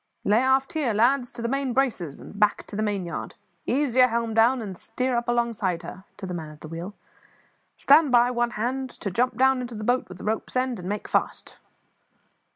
Lay aft here, lads, to the main braces, and back the mainyard. Ease your helm down, and steer up alongside her," to the man at the wheel. "Stand by, one hand, to jump down into the boat with a rope's end and make fast."